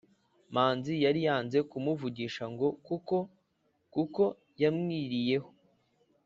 manzi yari yanze kumuvugisha ngo kuko kuko yamwiriyeho